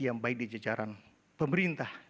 yang baik di jajaran pemerintah